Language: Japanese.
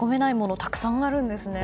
たくさんあるんですね。